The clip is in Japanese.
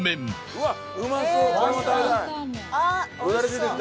うわっ！